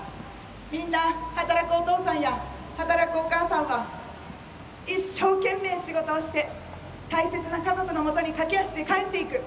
みんな働くお父さんや働くお母さんは一生懸命仕事をして大切な家族のもとに駆け足で帰っていく。